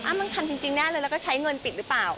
มันทำจริงแน่เลยแล้วก็ใช้เงินปิดหรือเปล่า